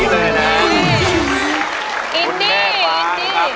ร้องได้ให้ร้าง